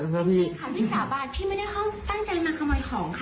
ถ้าไม่มีอะไรมีรูปพี่ก็ลงได้เลยพี่ขอร้องค่ะ